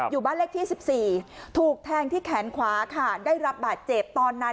อยู่บ้านเลขที่๑๔ถูกแทงที่แขนขวาค่ะได้รับบาดเจ็บตอนนั้น